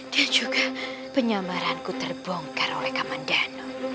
dan juga penyamaran ku terbongkar oleh kamandano